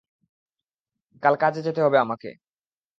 কাল কাজে যেতে হবে আমাকে।